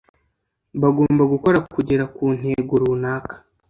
bagomba gukora kugera ku ntego runaka